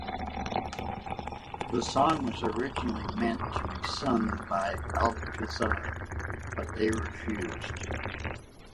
The song was originally meant to be sung by Alcazar but they refused.